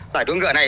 giải đua ngựa này